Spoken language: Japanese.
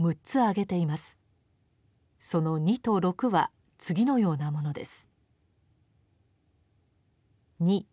その二と六は次のようなものです。